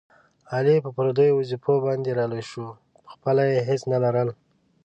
علي په پردیو وظېفو باندې را لوی شو، په خپله یې هېڅ نه لرل.